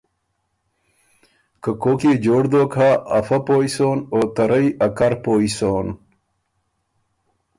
که کوک يې جوړ دوک هۀ، افئ پویٛ سون او ته رئ ا کر پویٛ سون۔